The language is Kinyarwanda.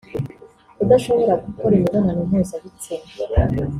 kudashobora gukora imibonano mpuzabitsina